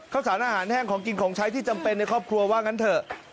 ข้าวสารอาหารแห้งของกินของใช้ที่จำเป็นในครอบครัวว่างั้นเถอะ